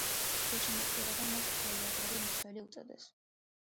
გულშემატკივრებმა მას გოლეადორი მცველი უწოდეს.